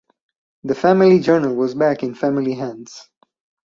The family journal was back in family hands.